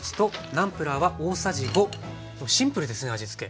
シンプルですね味つけ。